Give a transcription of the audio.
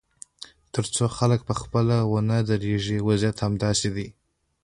تر څو خلک پخپله ونه درېږي، وضعیت همداسې دی.